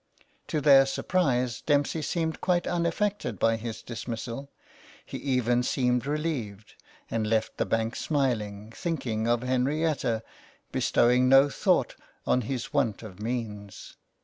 To their surprise Dempsey seemed quite un affected by his dismissal ; he even seemed relieved, and left the bank smiling, thinking of Henrietta, bestowing no thought on his want of means.